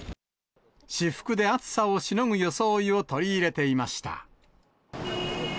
私服で暑さをしのぐ装いを取り入れていました。